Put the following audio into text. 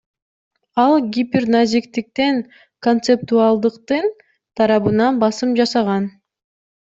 Ал гиперназиктиктен концептуалдыктын тарабына басым жасаган.